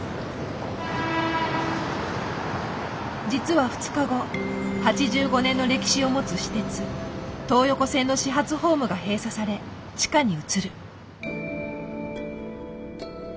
実は２日後８５年の歴史を持つ私鉄東横線の始発ホームが閉鎖され地下に移る。